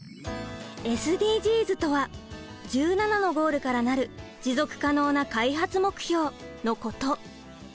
ＳＤＧｓとは１７のゴールから成る持続可能な開発目標のこと。